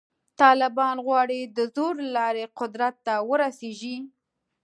طالبان غواړي د زور له لارې قدرت ته ورسېږي.